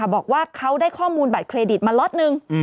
บอกว่าเขาได้ข้อมูลบัตรเครดิตมาล็อตนึง